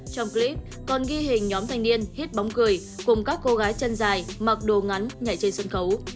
trong clip còn ghi hình nhóm thanh niên hit bóng cười cùng các cô gái chân dài mặc đồ ngắn nhảy trên sân khấu